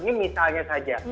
ini misalnya saja